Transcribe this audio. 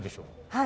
はい。